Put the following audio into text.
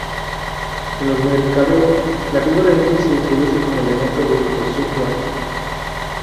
En los Macabeos, la figura X se introduce como elemento de composición plástica.